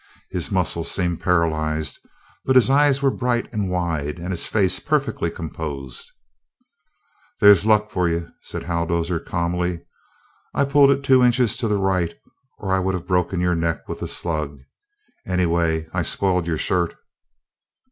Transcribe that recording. His muscles seemed paralyzed, but his eyes were bright and wide, and his face perfectly composed. "There's luck for you," said Hal Dozier calmly. "I pulled it two inches to the right, or I would have broken your neck with the slug anyway, I spoiled your shirt."